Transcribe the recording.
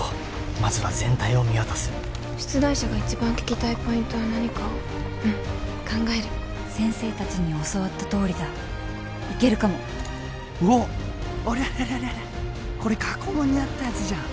まずは全体を見渡す出題者が一番聞きたいポイントは何かをうん考える先生達に教わったとおりだいけるかもうおっありゃりゃりゃりゃこれ過去問にあったやつじゃん